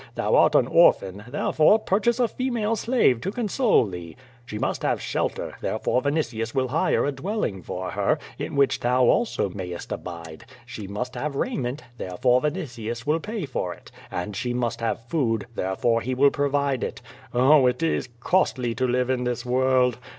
Thou art an orphan; therefore, purchase a female slave to console thee. She must have shelter, there fore Vinitius will hire a dwelling for her, in which thou also mayest abide; she must have raiment, therefore Vinitius will pay for it; and she must have food, therefore he will provide it. Oh, it is costly to live in this world!